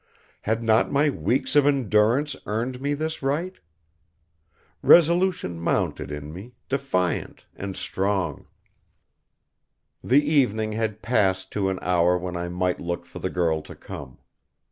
Had not my weeks of endurance earned me this right? Resolution mounted in me, defiant and strong. The evening had passed to an hour when I might look for the girl to come.